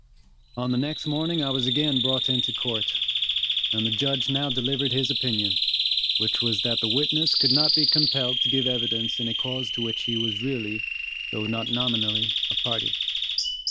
On the next morning I was again brought into court, and the judge now delivered his opinion, which was that the witness could not be compelled to give evidence in a cause to which he was really, though not nominally, a party.